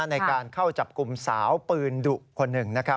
ในการเข้าจับกลุ่มสาวปืนดุคนหนึ่งนะครับ